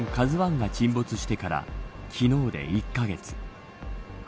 ＫＡＺＵ１が沈没してから昨日で１カ月。